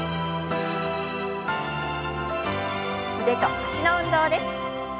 腕と脚の運動です。